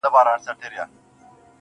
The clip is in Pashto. په سپورمۍ كي ستا تصوير دى.